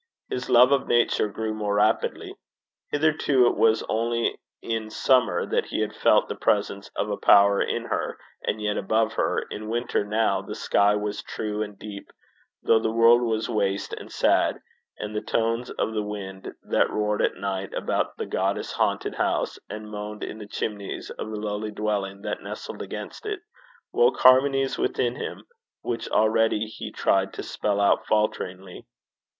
His love of Nature grew more rapidly. Hitherto it was only in summer that he had felt the presence of a power in her and yet above her: in winter, now, the sky was true and deep, though the world was waste and sad; and the tones of the wind that roared at night about the goddess haunted house, and moaned in the chimneys of the lowly dwelling that nestled against it, woke harmonies within him which already he tried to spell out falteringly.